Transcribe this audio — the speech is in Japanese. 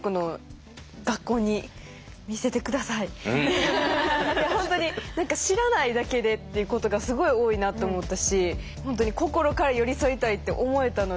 いや本当に何か知らないだけでっていうことがすごい多いなって思ったし本当に心から寄り添いたいって思えたので。